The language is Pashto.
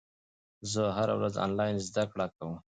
زه هره ورځ انلاین زده کړه کوم.